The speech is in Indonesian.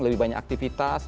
lebih banyak aktivitas